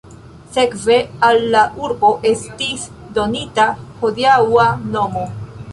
Sekve al la urbo estis donita hodiaŭa nomo.